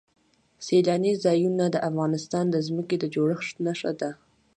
سیلانی ځایونه د افغانستان د ځمکې د جوړښت نښه ده.